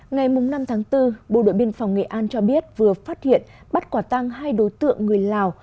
ngày năm tháng bốn bộ đội biên phòng nghệ an cho biết vừa phát hiện bắt quả tăng hai đối tượng người lào